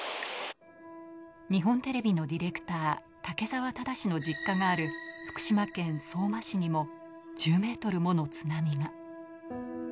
日本テレビのディレクター・武澤忠の実家がある福島県相馬市にも１０メートルもの津波が。